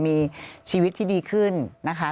มีชีวิตที่ดีขึ้นนะคะ